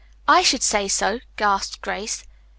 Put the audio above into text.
"I should say so," gasped Grace.